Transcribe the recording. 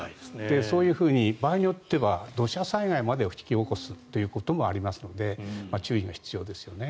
そういうふうに場合によっては土砂災害までを引き起こすということもありますので注意が必要ですよね。